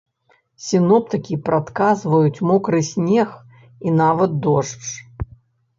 Сіноптыкі прадказваюць мокры снег і нават дождж.